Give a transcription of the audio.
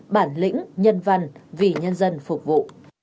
bản lĩnh nhân văn vì nhân dân phục vụ